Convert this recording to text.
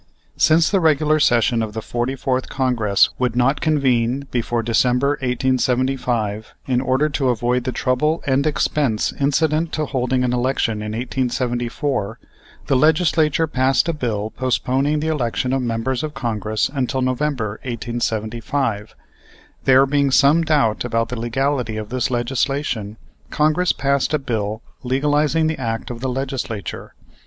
Since the regular session of the 44th Congress would not convene before December, 1875, in order to avoid the trouble and expense incident to holding an election in 1874, the Legislature passed a bill postponing the election of members of Congress until November, 1875. There being some doubt about the legality of this legislation, Congress passed a bill legalizing the act of the Legislature.